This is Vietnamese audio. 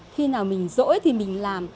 khi nào mình rỗi thì mình làm